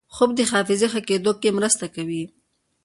خوب د حافظې ښه کېدو کې مرسته کوي